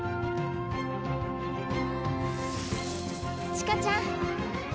千歌ちゃん。